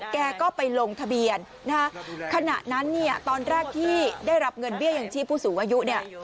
แกก็ไปลงทะเบียนขณะนั้นตอนแรกที่ได้รับเงินเบี้ยอย่างที่ผู้สูงอายุ